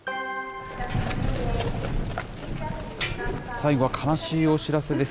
最後は悲しいお知らせです。